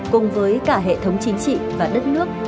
cùng với cả hệ thống chính trị và đất nước